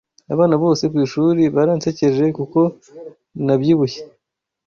Abana bose kwishuri baransekeje kuko nabyibushye.